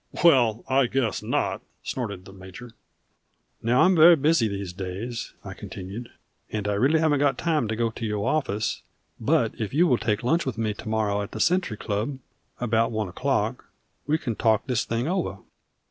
"Well I guess not!" snorted the major. "Now I'm very busy these days," I continued, "and I really haven't got time to go to your office; but if you will take lunch with me to morrow at the Century Club, about one o'clock, we can talk this thing over."